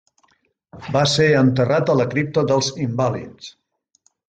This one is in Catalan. Va ser enterrat a la cripta dels Invàlids.